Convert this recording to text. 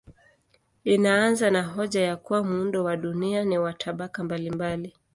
Inaanza na hoja ya kuwa muundo wa dunia ni wa tabaka mbalimbali.